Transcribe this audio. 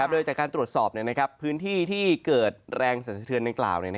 โดยจากการตรวจสอบพื้นที่ที่เกิดแรงสันสะเทือนดังกล่าว